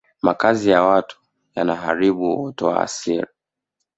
makazi ya watu yanaharubu uoto wa asili